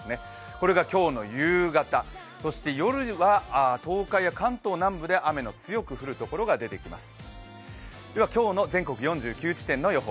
これが今日の夕方、そして夜は東海や関東南部で雨の強く降る所が出てきます。